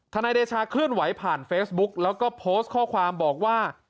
นายเดชาเคลื่อนไหวผ่านเฟซบุ๊กแล้วก็โพสต์ข้อความบอกว่า